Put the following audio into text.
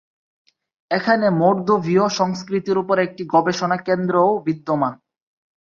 এখানে মোর্দোভীয় সংস্কৃতির উপর একটি গবেষণা কেন্দ্রও বিদ্যমান।